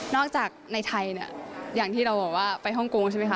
จากในไทยเนี่ยอย่างที่เราบอกว่าไปฮ่องกงใช่ไหมคะ